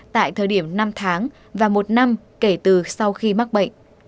tại thời điểm năm tháng và một năm kể từ sau khi mắc bệnh